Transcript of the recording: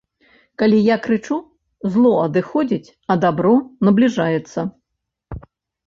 Калі я крычу, зло адыходзіць, а дабро набліжаецца.